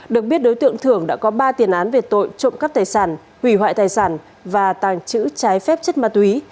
được biết đối tượng thưởng đã có ba tiền án về tội trộm cắp tài sản hủy hoại tài sản và tàng trữ trái phép chất ma túy